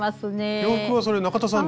洋服はそれ中田さん